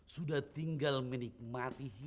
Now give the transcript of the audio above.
sudah tinggal menikmati hidup